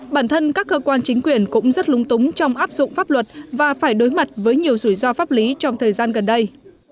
bản thân các cơ quan chính quyền cũng rất lung túng trong áp dụng pháp luật và phải đối mặt với nhiều rủi ro pháp lý trong thời gian gần đây